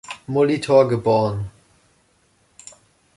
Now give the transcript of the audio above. Molitor geboren.